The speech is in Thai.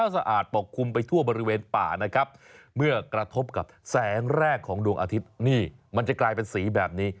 แสงแรกของดวงอาทิตย์นี่มันจะกลายเป็นสีแบบนี้